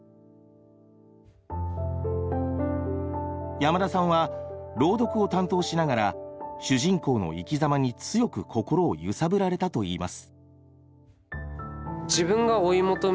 山田さんは朗読を担当しながら主人公の生きざまに強く心をゆさぶられたといいます。